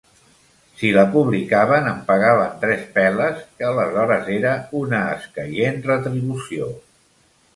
Si la publicaven, en pagaven tres peles, que aleshores era una escaient retribució”.